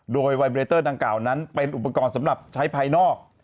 โดยไวเบรเตอร์ดังกล่าวนั้นเป็นอุปกรณ์สำหรับใช้ภายนอก